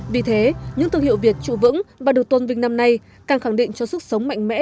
vì thế những thương hiệu việt trụ vững và được tôn vinh năm nay càng khẳng định cho sức sống mạnh mẽ